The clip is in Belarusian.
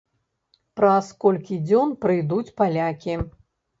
Праз колькі дзён прыйдуць палякі.